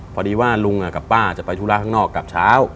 พอดีว่าลุงกับป้าจะไปธุระข้างนอกกลับเช้า